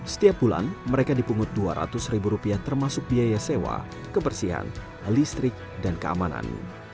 setiap bulan mereka dipungut dua ratus ribu rupiah termasuk biaya sewa kebersihan listrik dan keamanan